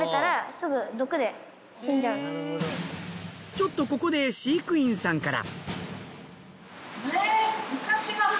ちょっとここで飼育員さんから。